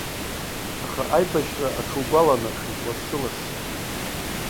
Аха аибашьра аҽугәаланаршәоит лассы-лассы.